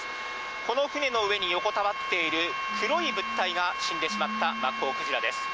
この船の上に横たわっている、黒い物体が死んでしまったマッコウクジラです。